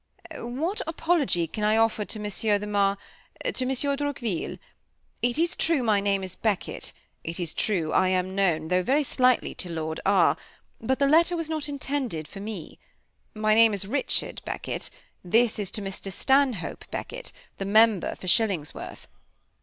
"What apology can I offer to Monsieur the Mar to Monsieur Droqville? It is true my name is Beckett it is true I am known, though very slightly, to Lord R ; but the letter was not intended for me. My name is Richard Beckett this is to Mr. Stanhope Beckett, the member for Shillingsworth.